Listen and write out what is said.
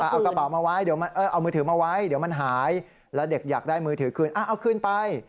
เอากระเป๋ามาไว้เดี๋ยวเอามือถือมาไว้เดี๋ยวมันหายแล้วเด็กอยากได้มือถือคืนเอาคืนไป